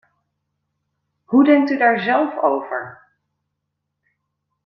Hoe denkt u daar zelf over?